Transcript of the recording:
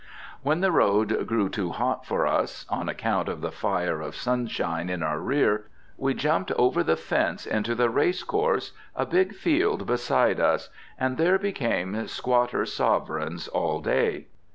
When the road grew too hot for us, on account of the fire of sunshine in our rear, we jumped over the fence into the Race Course, a big field beside us, and there became squatter sovereigns all day.